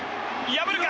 破るか？